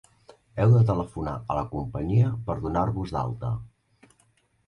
Heu de telefornar a la companyia per donar-vos d'alta.